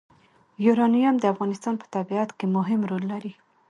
یورانیم د افغانستان په طبیعت کې مهم رول لري.